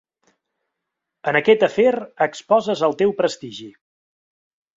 En aquest afer exposes el teu prestigi.